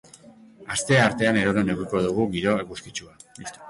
Asteartean edonon edukiko dugu giro eguzkitsua.